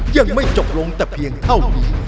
ยังไม่จบลงแต่เพียงเท่านี้